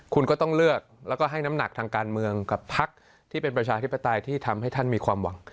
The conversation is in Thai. คุณก็ต้องเลือกแล้วก็ให้น้ำหนักทางการเมืองกับพักที่เป็นประชาธิปไตยที่ทำให้ท่านมีความหวัง